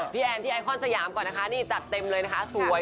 แอนที่ไอคอนสยามก่อนนะคะนี่จัดเต็มเลยนะคะสวย